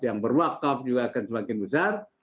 yang berwakaf juga akan semakin besar